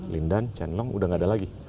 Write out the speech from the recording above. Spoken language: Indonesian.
lindan chen long udah nggak ada lagi